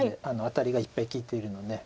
アタリがいっぱい利いているので。